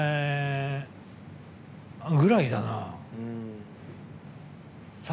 ぐらいだな。